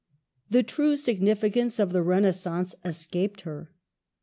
The true significance of 1 the Renaissance escaped her.